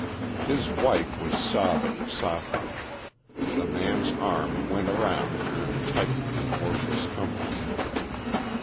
His wife was sobbing softly. The man's arm went round her and tightened in wordless comfort.